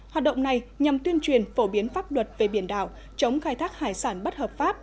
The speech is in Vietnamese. hoạt động này nhằm tuyên truyền phổ biến pháp luật về biển đảo chống khai thác hải sản bất hợp pháp